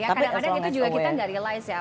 ya kadang kadang itu juga kita nggak realize ya